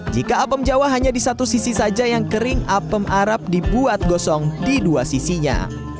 jika apem jawa hanya di satu sisi saja yang kering apem arab dibuat gosong di dua sisinya